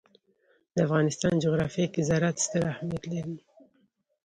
د افغانستان جغرافیه کې زراعت ستر اهمیت لري.